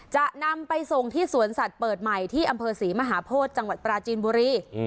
จะนำไปส่งที่สวนสัตว์เปิดใหม่ที่อำเภอศรีมหาโพธิจังหวัดปราจีนบุรี